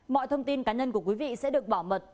mọi thông tin cá nhân của quý vị sẽ được bảo mật